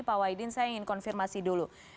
pak wahidin saya ingin konfirmasi dulu